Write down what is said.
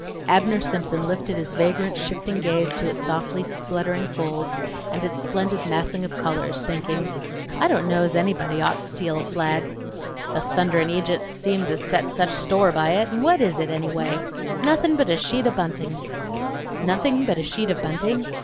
Abner Simpson lifted his vagrant shifting gaze to its softy fluttering folds and its splendid massing of colors, thinking: "I don't know's anybody'd ought to steal a flag the thunderin' idjuts seem to set such store by it, and what is it, anyway? Nothin; but a sheet o' buntin!" Nothing but a sheet of bunting?